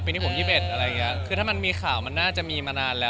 ปีปีนะ๒๑คือถ้ามีข่าวมันคงน่าจะมานานแล้ว